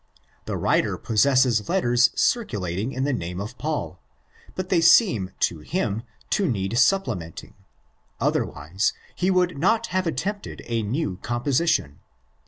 The writer possesses letters circulating in the name of Paul, but they seem to him to need supplementing ; otherwise, he would not have attempted a new composition.